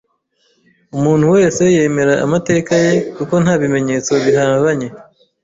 Umuntu wese yemera amateka ye kuko nta bimenyetso bihabanye